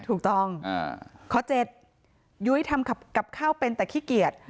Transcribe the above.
ถูกต้องอ่าข้อเจ็ดยุ้ยทำกับกลับข้าวเป็นแต่ขี้เกียจ